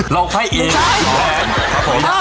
เราให้เองแผน